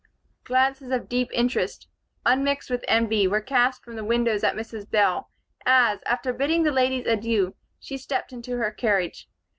Glances of deep interest, unmixed with envy, were cast from the windows at Mrs. Bell, as, after bidding the ladies adieu, she stepped into her carriage.